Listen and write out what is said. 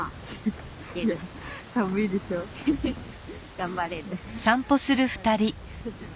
頑張れる。